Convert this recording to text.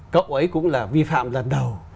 cậu ấy cũng là vi phạm lần đầu